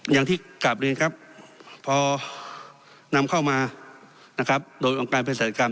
อย่างที่กราบเรียนครับพอนำเข้ามาโดยองค์การพยาศาสตร์กรรม